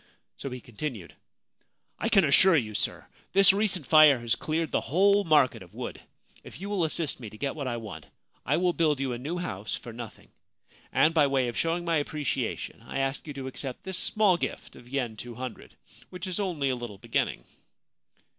So he continued :' 1 can assure you, sir, this recent fire has cleared the whole market of wood. If you will assist me to get what I want I will build you a new house for nothing, and by way of showing my appreciation I ask you to accept this small gift of yen 200, which is only a little beginning.'